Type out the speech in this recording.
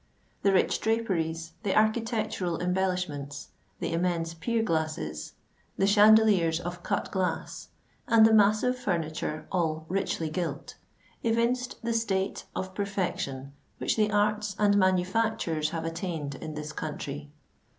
The rich draperies, the architectural embellishments, the immense pier glasses, the chandeliers of cut glass, and the massive furniture all richly gilt, evinced the state of perfection which the arts and manufactures have attained in this country.